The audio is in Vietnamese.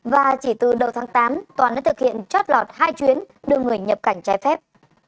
và chỉ từ đầu tháng tám toàn đã thực hiện chót lọt hai chuyến đưa người nhập cảnh trái phép